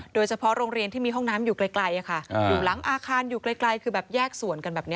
โดยเฉพาะโรงเรียนที่มีห้องน้ำอยู่ไกลอยู่หลังอาคารอยู่ไกลคือแบบแยกส่วนกันแบบนี้